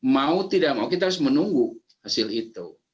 mau tidak mau kita harus menunggu hasil itu